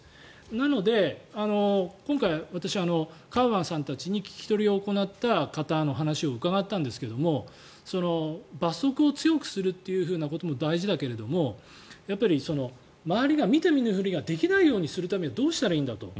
なので、今回、私カウアンさんたちに聞き取りを行った方の話を伺ったんですが罰則を強くするっていうことも大事だけれどもやっぱり周りが見て見ぬふりができないようにするためにはどうしたらいいんだと。